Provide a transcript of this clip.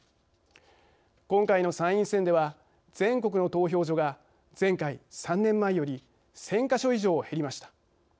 今回の参院選では全国の投票所が前回３年前より１０００か所以上、減りました。